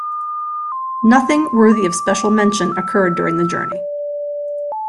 Nothing worthy of special mention occurred during the journey.